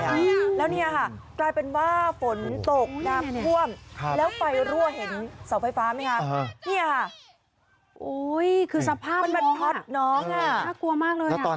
ช่วยสิตัวเองลากขึ้นไปเลยลากขึ้นไปข้างบนก่อน